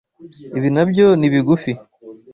Ibi nabyo ni bigufi.